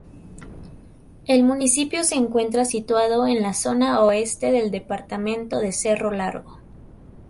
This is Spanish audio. El municipio se encuentra situado en la zona oeste del departamento de Cerro Largo.